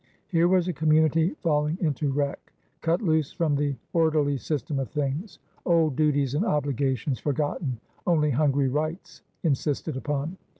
Here was a community falling into wreck, cut loose from the orderly system of things, old duties and obligations forgotten, only hungry rights insisted upon.